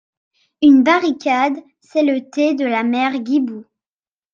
Une barricade, c'est le thé de la mère Gibou.